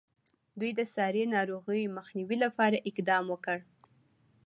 دوی د ساري ناروغیو مخنیوي لپاره اقدام وکړ.